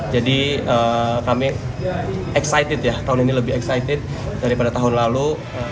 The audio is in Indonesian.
jadi kami excited ya tahun ini lebih excited daripada tahun lalu